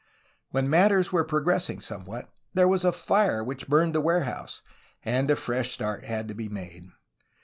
When matters were progressing somewhat, there was a fire which burned the warehouse, and a fresh start had to be made.